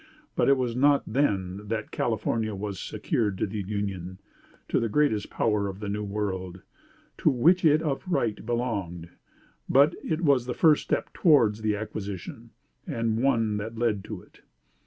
But it was not then that California was secured to the Union to the greatest power of the New World to which it of right belonged; but it was the first step towards the acquisition, and the one that led to it.